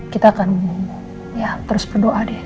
kita akan ya terus berdoa deh